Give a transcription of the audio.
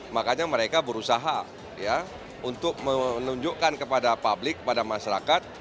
makanya mereka berusaha untuk menunjukkan kepada publik kepada masyarakat